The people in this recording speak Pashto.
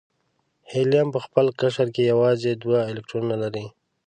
هیلیم په خپل قشر کې یوازې دوه الکترونونه لري.